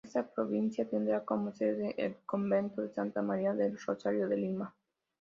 Esta Provincia tendría como sede el Convento de Santa María del Rosario de Lima.